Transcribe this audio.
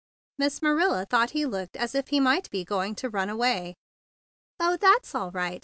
Miss Maxilla thought he looked as if he might be going to run away. "Oh, that's all right!"